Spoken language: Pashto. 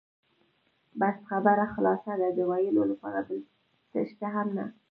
بس خبره خلاصه ده، د وېلو لپاره بل څه شته هم نه.